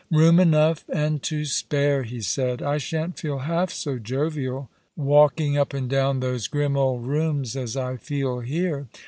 *' Eoom enough and to spare," he said. '' I shan't feel half so jovial walking uj) and down those grim old rooms as I feel here.